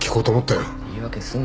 言い訳すんなよ。